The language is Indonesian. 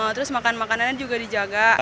terus makan makanannya juga dijaga